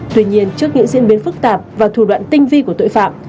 tuy nhiên trước những diễn biến phức tạp và thủ đoạn tinh vi của tội phạm